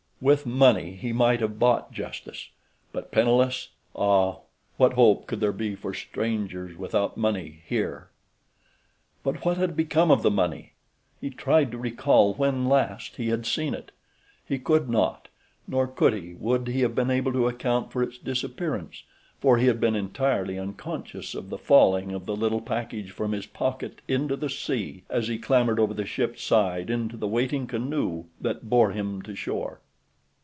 With money he might have bought justice; but penniless!—ah, what hope could there be for strangers without money here? But what had become of the money? He tried to recall when last he had seen it. He could not, nor, could he, would he have been able to account for its disappearance, for he had been entirely unconscious of the falling of the little package from his pocket into the sea as he clambered over the ship's side into the waiting canoe that bore him to shore.